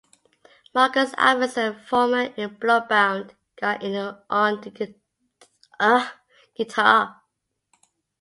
Markus Albertson, former in Bloodbound got in on guitar.